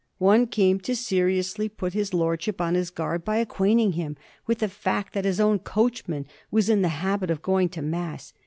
One came to seri ously put his lordship on his guard by acquainting him with the fact that his own coachman was in the habit of going to mass.